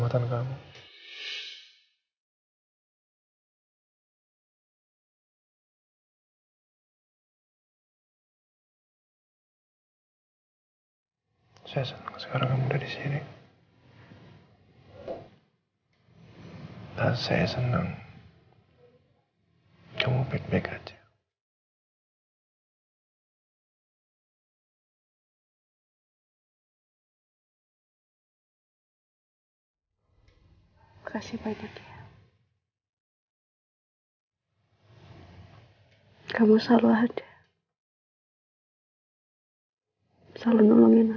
aja sih kangen